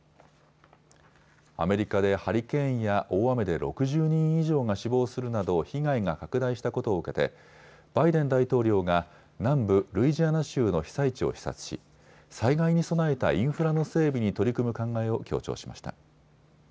アメリカでハリケーンや大雨で６０人以上が死亡するなど被害が拡大したことを受けてバイデン大統領が南部ルイジアナ州の被災地を視察し災害に備えたインフラの整備に取り組む考えを強調しました。